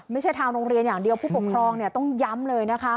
ไม่ใช่ทางโรงเรียนอย่างเดียวผู้ปกครองต้องย้ำเลยนะคะ